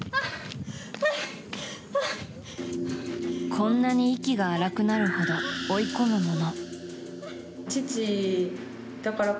こんなに息が荒くなるほど追い込むもの。